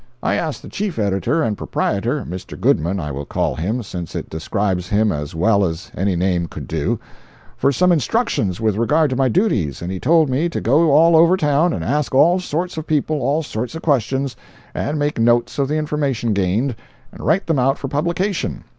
I asked the chief editor and proprietor (Mr. Goodman, I will call him, since it describes him as well as any name could do) for some instructions with regard to my duties, and he told me to go all over town and ask all sorts of people all sorts of questions, make notes of the information gained, and write them out for publication.